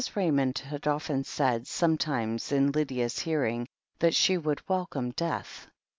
Raymond had often said, sometimes in Lydia's hearing, that she would welcome death.